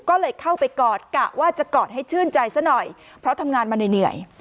ก็เลยเข้าไปกอดกะว่าจะกอดให้ชื่นใจซะหน่อยเพราะทำงานมาเหนื่อย